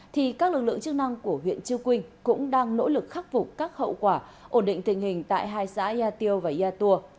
thì các lực lượng chức năng của huyện châu quynh cũng đang nỗ lực khắc phục các hậu quả ổn định tình hình tại hai xã yatio và yatua